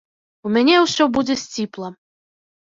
У мяне ўсё будзе сціпла.